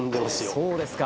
そうですか。